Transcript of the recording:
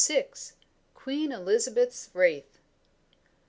QUEEN ELIZABETH'S WRAITH.